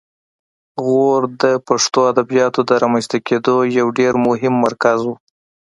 غور د پښتو ادبیاتو د رامنځته کیدو یو ډېر مهم مرکز و